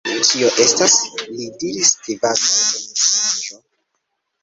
Kio estas? li diris kvazaŭ en sonĝo.